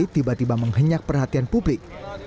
tiba tiba menghenyak perhatian publik